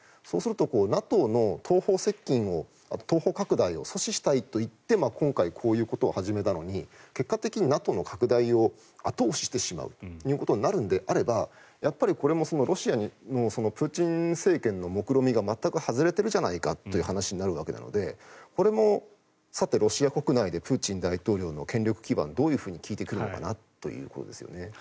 そうするとＮＡＴＯの東方接近を、東方拡大を阻止したいと言って今回こういうことを始めたのに結果的にＮＡＴＯの拡大を後押ししてしまうということになるのであればこれもロシアのプーチン政権の目論見が全く外れてるじゃないかという話になるわけなのでこれもさて、ロシア国内でプーチン大統領の権力基盤どう効いてくるのかなということです。